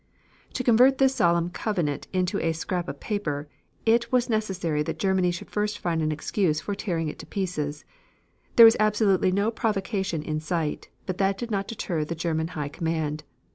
To convert this solemn covenant into a "scrap of paper" it was necessary that Germany should find an excuse for tearing it to pieces. There was absolutely no provocation in sight, but that did not deter the German High Command.